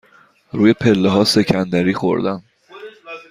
روی پله ها سکندری خوردم.